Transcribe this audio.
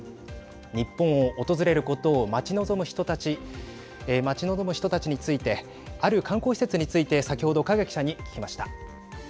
日本を訪れることを待ち望む人たちについてある観光施設について先ほど、影記者に聞きました。